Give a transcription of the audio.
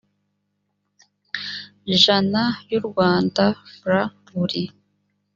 jana y u rwanda frw buri